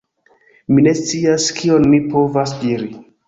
Mi ne scias, kion mi povas diri.